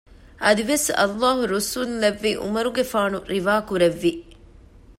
އަދިވެސް ﷲ ރުއްސުން ލެއްވި ޢުމަރުގެފާނު ރިވާ ކުރެއްވި